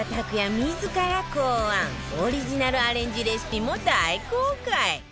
自ら考案オリジナルアレンジレシピも大公開